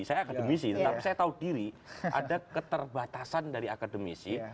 saya akademisi tetapi saya tahu diri ada keterbatasan dari akademisi